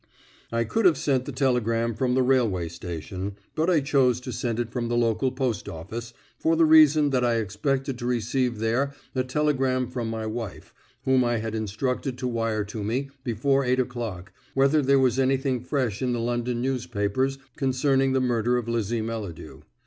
I could have sent the telegram from the railway station, but I chose to send it from the local post office, for the reason that I expected to receive there a telegram from my wife, whom I had instructed to wire to me, before eight o'clock, whether there was anything fresh in the London newspapers concerning the murder of Lizzie Melladew.